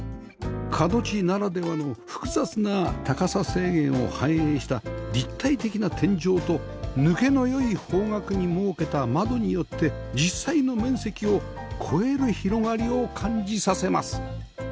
角地ならではの複雑な高さ制限を反映した立体的な天井と抜けのよい方角に設けた窓によって実際の面積を超える広がりを感じさせます